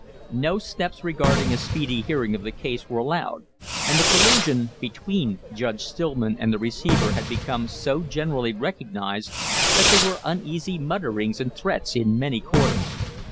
No steps regarding a speedy hearing of the case were allowed, and the collusion between Judge Stillman and the receiver had become so generally recognized that there were uneasy mutterings and threats in many quarters.